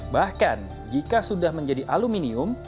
bahkan jika sudah menjadi aluminium